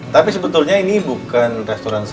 tapi sebetulnya ini bukan restoran